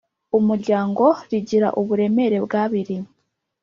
Umuryango rigira uburemere bw abiri